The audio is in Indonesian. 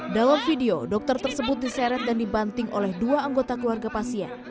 dalam video dokter tersebut diseret dan dibanting oleh dua anggota keluarga pasien